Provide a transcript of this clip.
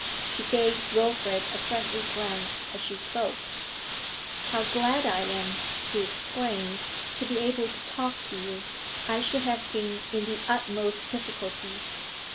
She gave Wilfrid a friendly glance as she spoke. 'How glad I am,' he exclaimed, 'to be able to talk to you! I should have been in the utmost difficulties.